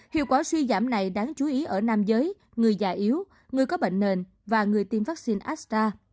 hiệu quả suy giảm này đáng chú ý ở nam giới người già yếu người có bệnh nền và người tiêm vaccine asta